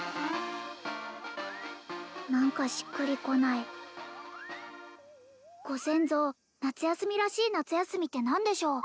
何かしっくりこないご先祖夏休みらしい夏休みって何でしょう？